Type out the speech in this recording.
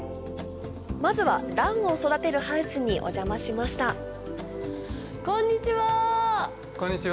まずは蘭を育てるハウスにお邪魔しましたこんにちは！